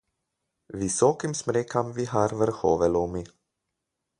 Visokim smrekam vihar vrhove lomi.